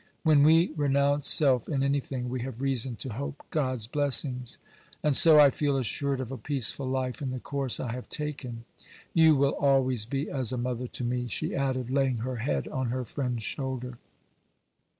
When we renounce self in anything, we have reason to hope God's blessing; and so I feel assured of a peaceful life in the course I have taken. You will always be as a mother to me,' she added, laying her head on her friend's shoulder.